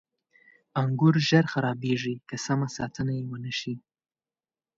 • انګور ژر خرابېږي که سمه ساتنه یې ونه شي.